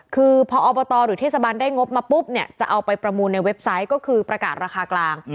คือพออบตหรือเทศบาลได้งบมาปุ๊บเนี่ยจะเอาไปประมูลในเว็บไซต์ก็คือประกาศราคากลาง